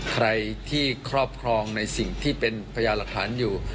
ใครที่ครอบครองในสิ่งที่เป็นพยาหลักฐานอยู่